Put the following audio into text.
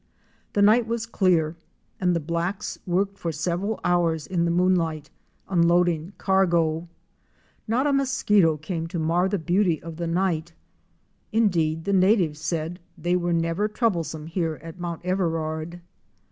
The night was clear and the blacks worked for several hours in the moonlight, unloading cargo. Not a mosquito came to mar the beauty of the night. Indeed the natives said they were never troublesome here at Mount Everard.